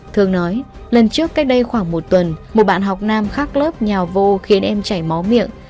thường nói lần trước cách đây khoảng một tuần một bạn học nam khác lớp nhào vô khiến em chảy máu miệng